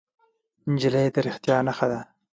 نجلۍ د رښتیا نښه ده.